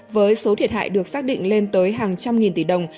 với số thiệt hại được xác định lên tới hàng trăm nghìn tỷ đồng